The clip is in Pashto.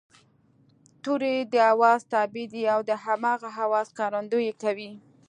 توری د آواز تابع دی او د هماغه آواز ښکارندويي کوي